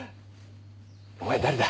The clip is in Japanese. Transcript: お前誰だ？